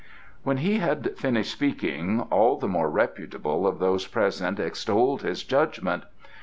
'" When he had finished speaking all the more reputable of those present extolled his judgment.